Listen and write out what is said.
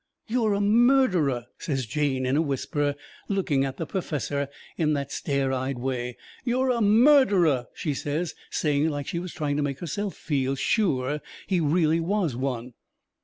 "You're a murderer," says Jane in a whisper, looking at the perfessor in that stare eyed way. "You're a MURDERER," she says, saying it like she was trying to make herself feel sure he really was one.